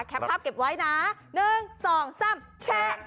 ภาพเก็บไว้นะ๑๒๓แชะ